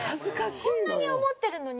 こんなに思ってるのに。